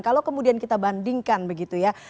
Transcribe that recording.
kalau kemudian kita bandingkan begitu ya